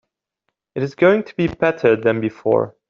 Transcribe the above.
It is going to be better than before.